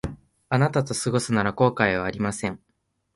あなたと過ごすなら後悔はありません